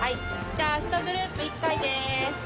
じゃあ１グループ１回です。